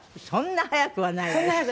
そんな早くはないよね。